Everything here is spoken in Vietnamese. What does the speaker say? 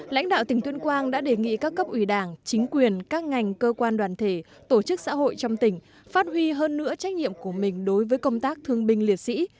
lãnh đạo tỉnh tuyên quang đã đề nghị các cấp ủy đảng chính quyền các ngành cơ quan đoàn thể tổ chức xã hội trong tỉnh phát huy hơn nữa trách nhiệm của mình đối với công tác thương binh liệt sĩ